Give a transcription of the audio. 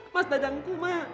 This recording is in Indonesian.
mas dadangku emak